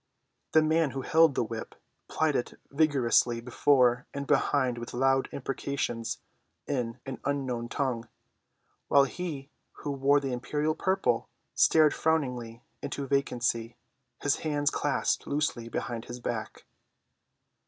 The man who held the whip plied it vigorously before and behind with loud imprecations in an unknown tongue, while he who wore the imperial purple stared frowningly into vacancy, his hands clasped loosely behind his back.